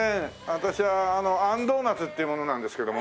私はあんドーナツっていう者なんですけども。